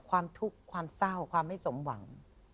ความทุกข์ความเศร้าความไม่สมหวัง